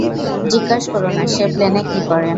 জিজ্ঞাস করো না, সে প্লেনে কী করে।